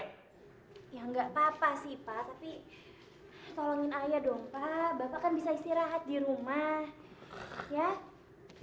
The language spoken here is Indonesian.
ya nggak apa apa sih pak tapi tolongin ayah dong pak bapak kan bisa istirahat di rumah ya